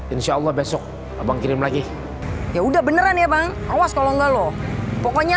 insya allah besok abang kirim lagi ya udah beneran ya bang awas kalau enggak loh pokoknya